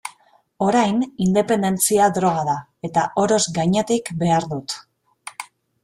Orain, independentzia droga da, eta oroz gainetik behar dut.